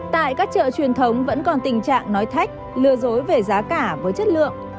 tại các chợ truyền thống vẫn còn tình trạng nói thách lừa dối về giá cả với chất lượng